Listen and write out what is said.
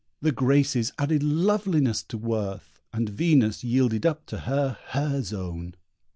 The Graces added loveliness to worth, And Venus yielded up to her her zone.